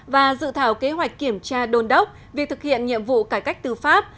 và dự thảo kế hoạch kiểm tra đôn đốc việc thực hiện nhiệm vụ cải cách tư pháp